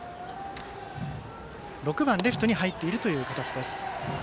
６番、レフトに入っている形。